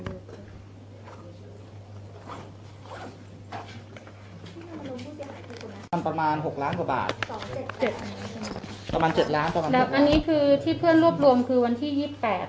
ประมาณหกล้านกว่าบาทสองเจ็ดเจ็ดประมาณเจ็ดล้านประมาณแบบอันนี้คือที่เพื่อนรวบรวมคือวันที่ยี่สิบแปด